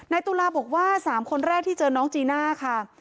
ตุลาบอกว่า๓คนแรกที่เจอน้องจีน่าค่ะ